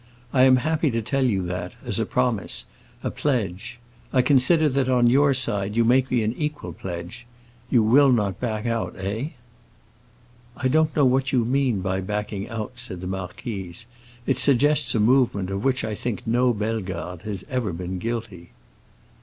I am happy to tell you that, as a promise—a pledge. I consider that on your side you make me an equal pledge. You will not back out, eh?" "I don't know what you mean by 'backing out,'" said the marquise. "It suggests a movement of which I think no Bellegarde has ever been guilty."